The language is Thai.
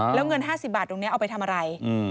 แล้วเงิน๕๐บาทตรงนี้เอาไปทำอะไร